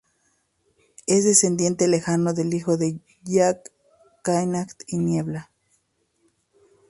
Es descendiente lejano del hijo de Jack Knight y Niebla.